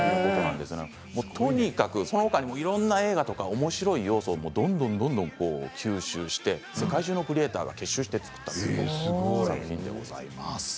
とにかく、その他にもいろいろな映画、おもしろい要素をどんどん吸収して世界中のクリエーターが結集して作った作品でございます。